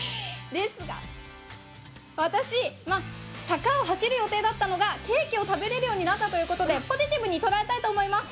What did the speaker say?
ですが、私、坂を走る予定だったのがケーキを食べれるようになったということでポジティブに捉えたいと思います。